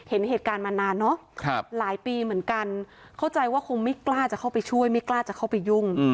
เห็นเหตุการณ์มานานเนอะหลายปีเหมือนกันเข้าใจว่าคงไม่กล้าจะเข้าไปช่วยไม่กล้าจะเข้าไปยุ่ง